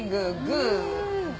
グー。